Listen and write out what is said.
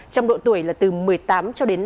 trong độ tuổi là từ một mươi tám cho đến năm mươi